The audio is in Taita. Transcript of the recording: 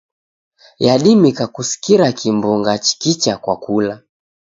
Yadimika kusikira kimbunga chikicha kwa kula.